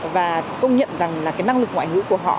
và công nhận rằng là cái năng lực ngoại ngữ của họ